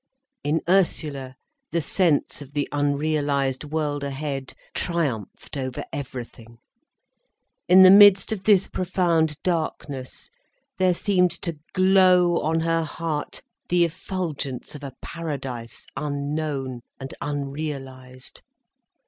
In Ursula the sense of the unrealised world ahead triumphed over everything. In the midst of this profound darkness, there seemed to glow on her heart the effulgence of a paradise unknown and unrealised.